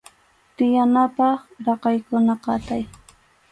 Tiyanapaq raqaykuna qatay.